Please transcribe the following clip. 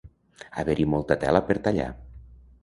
Haver-hi molta tela per tallar.